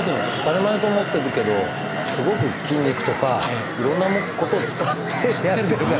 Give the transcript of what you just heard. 当たり前と思ってるけどすごく筋肉とかいろんなことを使ってやってるから。